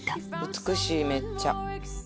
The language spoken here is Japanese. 美しいめっちゃ。